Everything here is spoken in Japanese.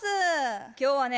今日はね